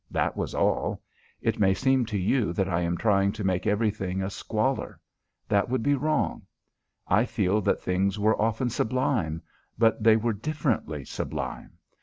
That was all. It may seem to you that I am trying to make everything a squalor. That would be wrong. I feel that things were often sublime. But they were differently sublime.